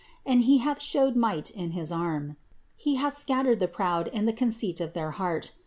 51. He hath shewed might in his arm; He hath scattered the proud in the conceit of their heart.